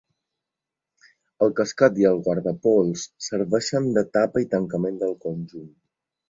El casquet i el guardapols serveixen de tapa i tancament del conjunt.